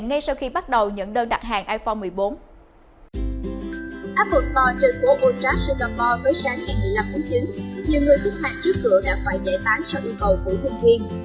apple store trời khổ old trash singapore với sáng ngày một mươi năm một mươi chín nhiều người xích hàng trước cửa đã phải trải tán sau yêu cầu của thương nghiên